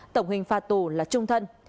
tổng hình phạt tù là trung thân